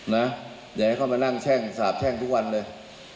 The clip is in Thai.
อย่าให้เข้ามานั่งแช่งสาบแช่งทุกวันเลย